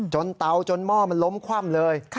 เตาจนหม้อมันล้มคว่ำเลย